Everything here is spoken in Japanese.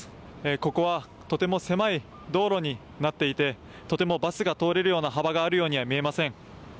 ここは、とても狭い道路になっていてとてもバスが通れるような幅があるようには見えません。